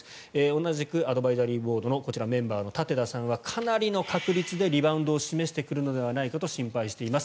同じくアドバイザリーボードのこちら、メンバーの舘田さんはかなりの確率でリバウンドを示してくるのではないかと心配しています。